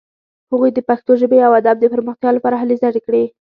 هغوی د پښتو ژبې او ادب د پرمختیا لپاره هلې ځلې کړې.